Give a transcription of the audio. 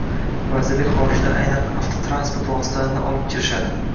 Vazirlik xorijdan aynan avtotransport vositalarini olib kirishadi